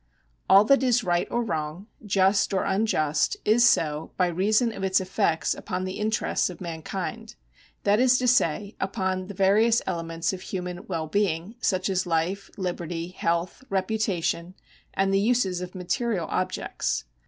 All that is right or wrong, just or unjust, is so by reason of its effects upon the interests of manliind,^ that is to say upon the various elements of human well being, such as life, liberty, health, reputation, and the uses of material objects.